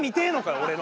俺の。